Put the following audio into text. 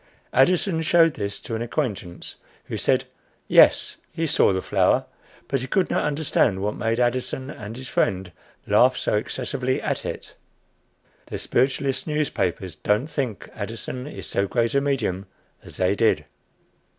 Addison showed this to an acquaintance, who said, "Yes, he saw the flour; but he could not understand what made Addison and his friend laugh so excessively at it." The spiritualist newspapers don't think Addison is so great a medium as they did!